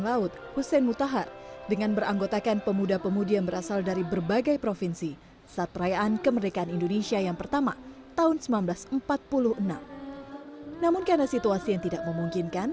pasukan penghibar bendera pusaka